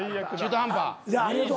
ありがとう。